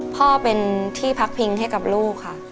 พ่อเป็นที่พักพิงให้กับลูกค่ะ